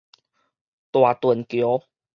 大屯橋